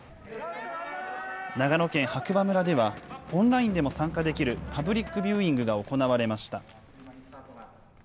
長野県白馬村では、オンラインでも参加できるパブリックビューイングが行われました。